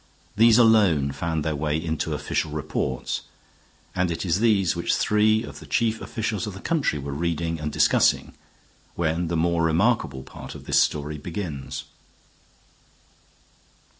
These alone found their way into official reports, and it is these which three of the chief officials of the country were reading and discussing when the more remarkable part of this story begins.